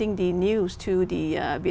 ông ấy rất vui vẻ